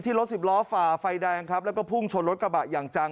รถสิบล้อฝ่าไฟแดงครับแล้วก็พุ่งชนรถกระบะอย่างจัง